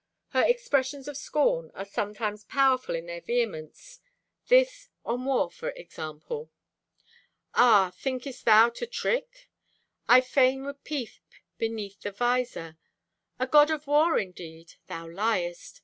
Her expressions of scorn are sometimes powerful in their vehemence. This, on "War," for example: Ah, thinkest thou to trick? I fain would peep beneath the visor. A god of war, indeed! Thou liest!